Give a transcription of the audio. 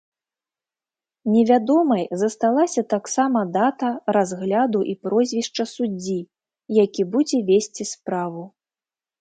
Невядомай засталася таксама дата разгляду і прозвішча суддзі, які будзе весці справу.